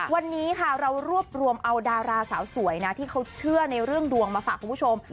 วันนี้ค่ะเรารวบรวมเอาดาราสาวสวยนะที่เขาเชื่อในเรื่องดวงมาฝากคุณผู้ชม